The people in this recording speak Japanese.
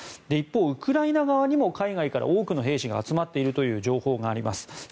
一方、ウクライナ側にも海外から多くの兵士が集まっているという情報があります。